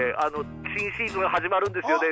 新シーズン始まるんですよね。